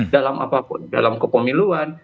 dalam apapun dalam kepemiluan